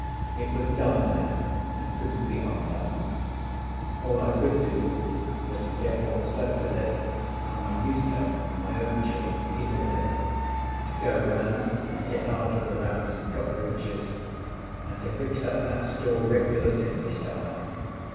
It was done now, and couldn't be undone. All I could do was to get what was left of it, and my new stuff (my own choice) in order, to go round and get after the rats and cockroaches, and to fix up that store regular Sydney style.